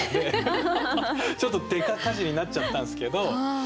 デカかじりになっちゃったんですけど。